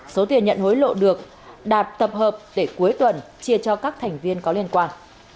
số tiền nhận hối lộ được đạt tập hợp để cuối tuần chia cho các thành viên có liên quan